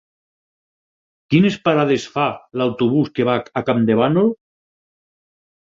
Quines parades fa l'autobús que va a Campdevànol?